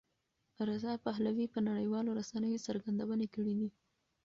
رضا پهلوي په نړیوالو رسنیو څرګندونې کړې دي.